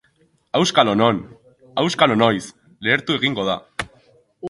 Auskalo non, auskalo noiz, lehertu egingo da.